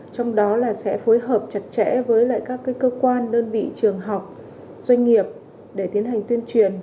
trong đó là sẽ phối hợp chặt chẽ với các cơ quan đơn vị trường học doanh nghiệp để tiến hành tuyên truyền